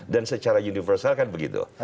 dan secara universal kan begitu